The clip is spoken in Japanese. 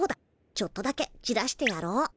ちょっとだけじらしてやろう。